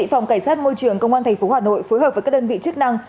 phòng cảnh sát môi trường công an tp hà nội phối hợp với các đơn vị chức năng